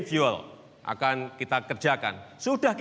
terima kasih banyak banyak